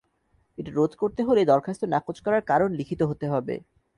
এটা রোধ করতে হলে দরখাস্ত নাকচ করার কারণ লিখিত হতে হবে।